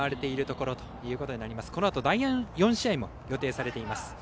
このあと第４試合も予定されています。